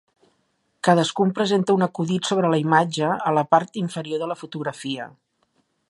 Cadascun presenta un acudit sobre la imatge a la part inferior de la fotografia.